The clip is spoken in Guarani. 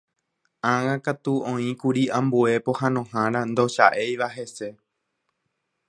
Ág̃akatu oĩkuri ambue pohãnohára ndocha'éiva hese.